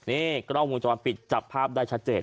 นี่กล้องวงจรปิดจับภาพได้ชัดเจน